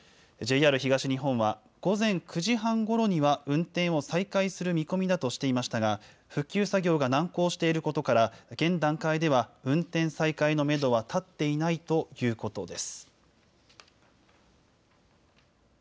ＪＲ東日本は午前９時半ごろには運転を再開する見込みだとしていましたが復旧作業が難航していることから現段階では運転再開のめどは立っていないということです。